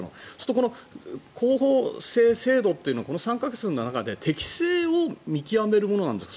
この候補生制度というのはこの３か月の中で適性を見極めるものなんですか？